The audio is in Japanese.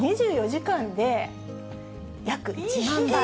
２４時間で約１万倍。